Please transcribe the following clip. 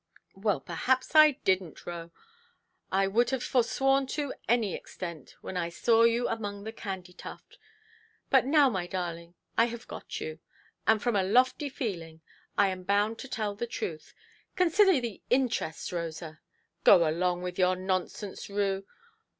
"Well, perhaps I didnʼt, Roe. I would have forsworn to any extent, when I saw you among the candytuft. But now, my darling, I have got you; and from a lofty feeling, I am bound to tell the truth. Consider the interests, Rosa——" "Go along with your nonsense, Rue.